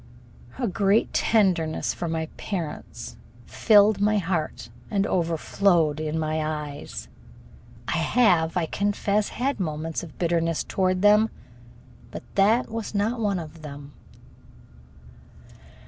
A great tenderness for my parents filled my heart and overflowed in my eyes. I have, I confess, had moments of bitterness toward them. But that was not one of them.